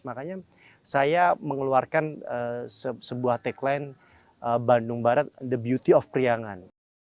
makanya saya mengeluarkan sebuah tagline bandung barat the beauty of priangan